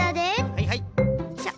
はいはい。